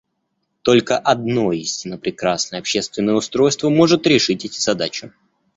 Только одно истинно прекрасное общественное устройство может решить эти задачи.